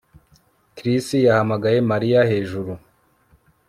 Chris yahamagaye Mariya hejuru